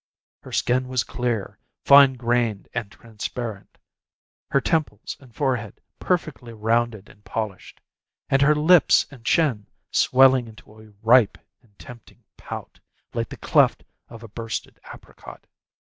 Her skin was clear, fine grained and transparent; her temples and forehead perfectly rounded and polished, and her lips and chin swelling into a ripe and tempting pout, like the cleft of a bursted apricot.